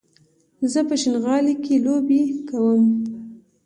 زه په شينغالي کې لوبې کوم